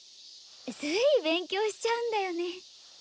つい勉強しちゃうんだよね。